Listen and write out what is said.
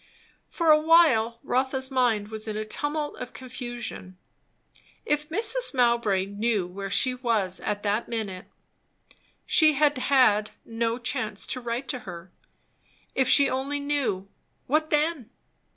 For a while Rotha's mind was in a tumult of confusion. If Mrs. Mowbray knew where she was at that minute! She had had no chance to write to her. If she only knew! What then?